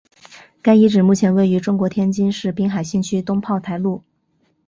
该遗址目前位于中国天津市滨海新区东炮台路。